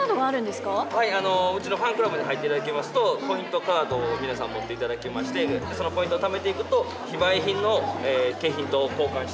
うちのファンクラブに入っていただきますとポイントカードを皆さん持っていただきましてそのポイントをためていくと非売品の景品と交換していただけるという。